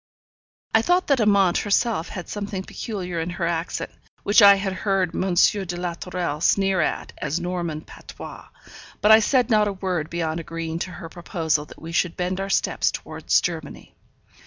I thought that Amante herself had something peculiar in her accent, which I had heard M. de la Tourelle sneer at as Norman patois; but I said not a word beyond agreeing to her proposal that we should bend our steps towards Germany.